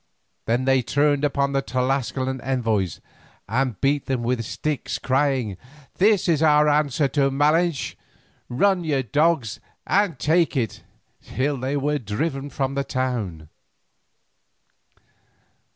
Then they turned upon the Tlascalan envoys and beat them with sticks, crying: "This is our answer to Malinche. Run, you dogs, and take it!" till they were driven from the town.